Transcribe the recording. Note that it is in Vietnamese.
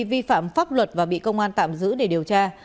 vi phạm pháp luật và bị công an tạm giữ để điều tra